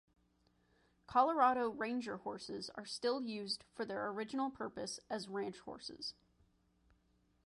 Colorado Ranger horses are still used for their original purpose as ranch horses.